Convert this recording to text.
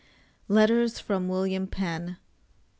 LETTERS FROM WILLIAM PENN.